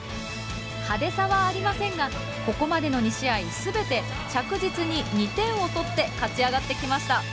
派手さはありませんがここまでの２試合全て着実に２点を取って勝ち上がってきました。